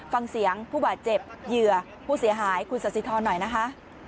ฟังเสียงผู้บาดเจ็บเหยื่อผู้เสียหายคุณสัสสิทรหน่อยนะคะ